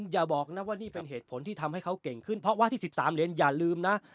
อย่าบอกนะว่านี่เป็นเหตุผลที่ทำให้เขาเก่งขึ้นเพราะว่าที่๑๓เหรียญอย่าลืมนะ